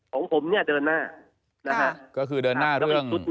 ผมผมเนี่ยเดินหน้านะฮะก็คือเดินหน้าเรื่องเรื่องก็เช็ค